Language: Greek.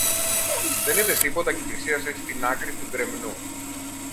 δεν είδε τίποτα και πλησίασε στην άκρη του γκρεμνού.